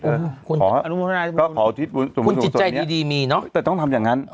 ขออธิษฐ์บุญสุขสนคุณจิตใจดีดีมีเนอะแต่ต้องทำอย่างงั้นอ๋อ